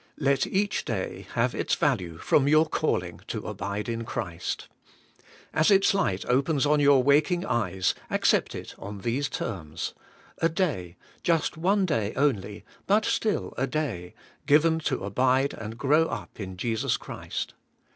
Let each day have its value from your calling to abide in Christ. As its light opens on your waking eyes, accept it on these terms: A day, just one day only, but still a day, given to abide and grow up in Jesus Christ.